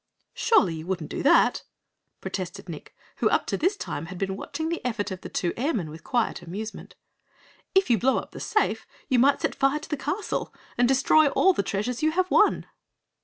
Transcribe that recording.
"Surely you wouldn't do that," protested Nick, who up to this time had been watching the effort of the two airmen with quiet amusement. "If you blow up the safe you might set fire to the castle and destroy all the treasures you have won."